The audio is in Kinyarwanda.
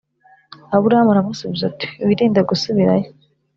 Aburahamu aramusubiza ati wirinde gusubirayo